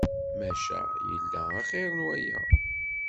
Maca yella axir n waya.